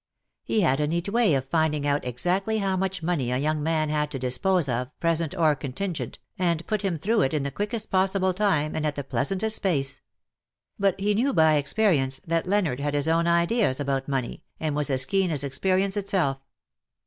He had a neat way of finding out exactly how much money a young man had to dispose of, present or contingent, and put him through it in the quickest possible time and at the pleasantest pace ; but he knew by experience that Leonard had his own ideas about money, and was as keen as experience itself.